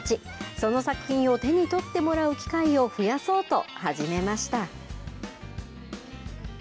その作品を手に取ってもらう機会を増やそうと始めました。